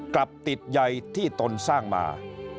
กลับติดใยที่ตนสร้างมา